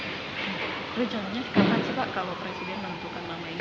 rejalanya kapan sih pak kalau presiden membentukkan nama ini